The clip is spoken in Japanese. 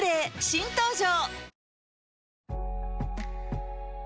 新登場